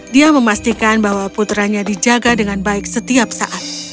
dia memastikan bahwa putranya dijaga dengan baik setiap saat